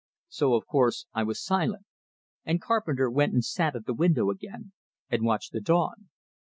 So, of course, I was silent; and Carpenter went and sat at the window again, and watched the dawn.